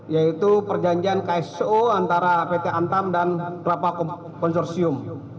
yaitu perjanjian kso antara pt antam dan rapat konsorsium